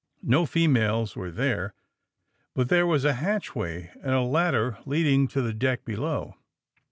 No females were there, but there was a hatchway and a ladder leading to the deck below.